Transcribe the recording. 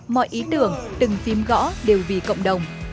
mọi ý tưởng từng phim gõ đều vì cộng đồng